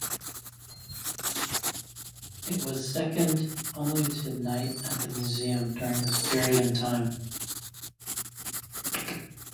It was second only to "Night at the Museum" during this period in time.